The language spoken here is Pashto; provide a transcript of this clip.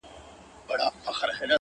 او دا کشره چي د کلي د مُلا ده~